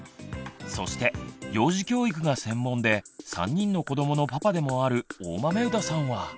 そして幼児教育が専門で３人の子どものパパでもある大豆生田さんは。